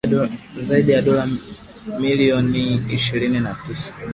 Zaidi ya dola milioni ishirini na tisa